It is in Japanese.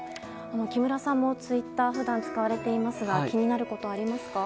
木村さんもツイッター普段使われていますが気になることはありますか？